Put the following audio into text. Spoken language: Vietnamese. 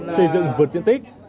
xây dựng vượt diện tích